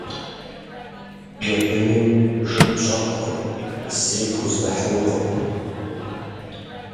Джэбыным жып щӏэткъым, зыри пхуздэхьынукъым.